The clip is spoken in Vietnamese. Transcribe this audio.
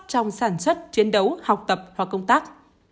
trong sản xuất chiến đấu học tập và công tác